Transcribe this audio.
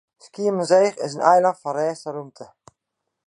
Skiermûntseach is in eilân fan rêst en rûmte.